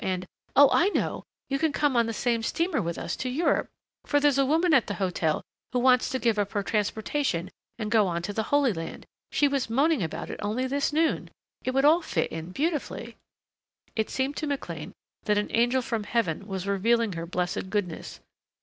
And, oh, I know! You can cross on the same steamer with us to Europe, for there's a woman at the hotel who wants to give up her transportation and go on to the Holy Land she was moaning about it only this noon. It would all fit in beautifully." It seemed to McLean that an angel from Heaven was revealing her blessed goodness.